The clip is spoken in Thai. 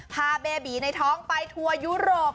เบบีในท้องไปทัวร์ยุโรป